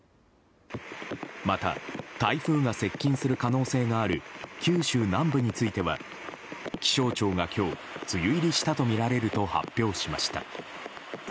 また、台風が接近する可能性がある九州南部については気象庁が今日、梅雨入りしたとみられると発表しました。